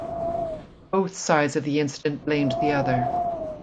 Both sides of the incident blamed the other.